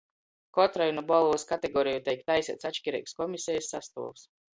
Kotrai nu bolvys kategoreju teik taiseits atškireigs komisejis sastuovs.